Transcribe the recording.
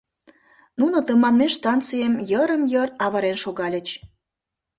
Нуно тыманмеш станцийым йырым-йыр авырен шогальыч.